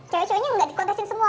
cewek ceweknya gak di kontesin semua